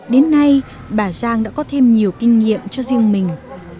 đến nay bà giang đã có thêm nhiều kinh nghiệm cho riêng mình